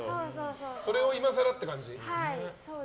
それを今更って感じ？